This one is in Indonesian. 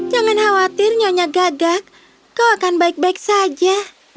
jangan khawatir nyonya gagak kau akan baik baik saja